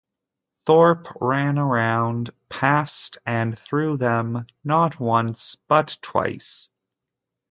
Thorpe "ran around past and through them not once, but twice".